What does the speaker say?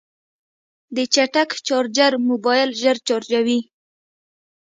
د چټک چارجر موبایل ژر چارجوي.